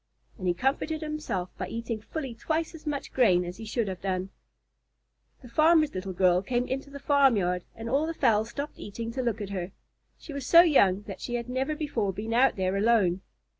And he comforted himself by eating fully twice as much grain as he should have done. The farmer's little girl came into the farmyard, and all the fowls stopped eating to look at her. She was so young that she had never before been out there alone.